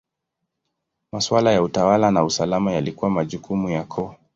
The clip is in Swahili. Maswala ya utawala na usalama yalikuwa majukumu ya koo.